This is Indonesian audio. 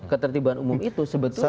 ketertiban umum itu sebetulnya